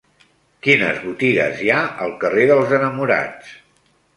Quines botigues hi ha al carrer dels Enamorats?